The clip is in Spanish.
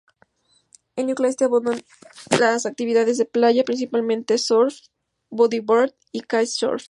En Newcastle abundan las actividades de playa, principalmente surf, bodyboard y kitesurf.